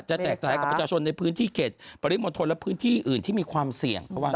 แจกสายกับประชาชนในพื้นที่เขตปริมณฑลและพื้นที่อื่นที่มีความเสี่ยงเขาว่า